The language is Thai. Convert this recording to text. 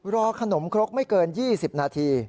รอขนมครกไม่เกิน๒๐นาที